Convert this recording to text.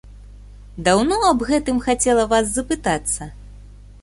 Даўно аб гэтым хацела вас запытацца.